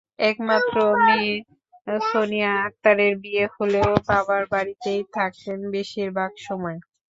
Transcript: একমাত্র মেয়ে সোনিয়া আক্তারের বিয়ে হলেও বাবার বাড়িতেই থাকেন বেশির ভাগ সময়।